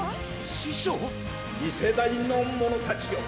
⁉師匠⁉次世代の者たちよ！